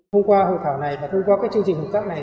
hôm qua hội thảo này và hôm qua chương trình hội tắc này